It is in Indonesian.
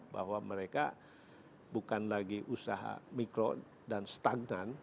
bahwa mereka bukan lagi usaha mikro dan stagnan